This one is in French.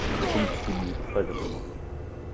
Le combustible n’était pas abondant